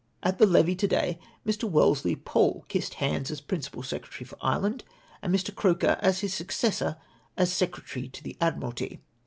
... At the Levee to day, Mr. Wellesley Pole kissed hands as principal Secretary for Ireland, and Mr. Croker as his successor as Secretary to the Admiralty.